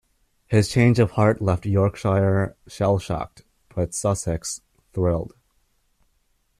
His change of heart left Yorkshire "shell-shocked" but Sussex "thrilled".